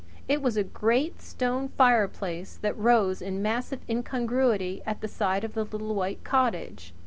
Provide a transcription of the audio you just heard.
It was a great stone fireplace that rose in massive incongruity at the side of the little white cottage.